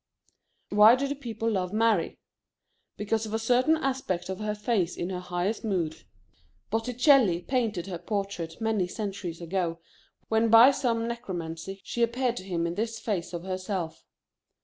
Why do the people love Mary? Because of a certain aspect of her face in her highest mood. Botticelli painted her portrait many centuries ago when by some necromancy she appeared to him in this phase of herself.